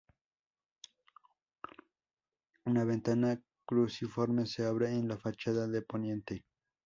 Una ventana cruciforme se abre en la fachada de poniente.